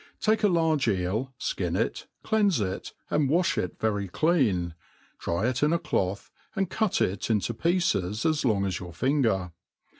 TAKE a large eel, ikin it, cleanfe it, and wafh it very clean^ dry it in a. cloth, and cut it into pieces as long aa your finger.